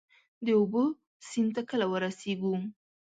د اوبو، سیند ته کله ورسیږو؟